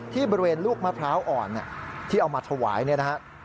ที่บริเวณลูกมะพร้าวอ่อนที่เอามาถวายเนี่ยนะครับ